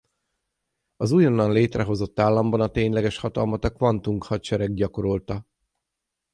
Az újonnan létrehozott államban a tényleges hatalmat a Kvantung-hadsereg gyakorolta.